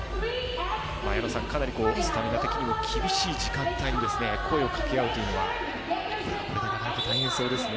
矢野さん、かなりスタミナ的にも厳しい時間帯に声をかけ合うというのはなかなか大変そうですね。